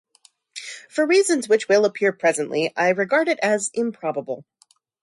For reasons which will appear presently I regard it as improbable.